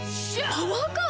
パワーカーブ⁉